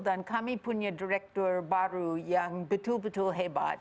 dan kami punya direktur baru yang betul betul hebat